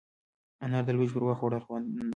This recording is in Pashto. انار د لوږې پر وخت خوړل خوند کوي.